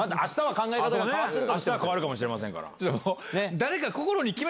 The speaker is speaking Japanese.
変わるかもしれませんから。